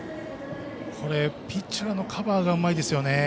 ピッチャーのカバーがうまいですよね。